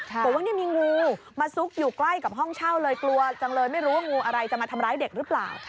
บอกว่านี่มีงูมาซุกอยู่ใกล้กับห้องเช่าเลยกลัวจังเลยไม่รู้ว่างูอะไรจะมาทำร้ายเด็กหรือเปล่า